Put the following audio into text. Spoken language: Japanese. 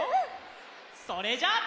それじゃあ。